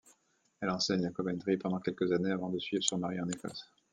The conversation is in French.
Elle enseigne à Coventry pendant quelques années avant de suivre son mari en Écosse.